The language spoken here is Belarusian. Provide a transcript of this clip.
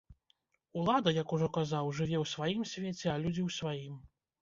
Улада, як ужо казаў, жыве ў сваім свеце, а людзі ў сваім.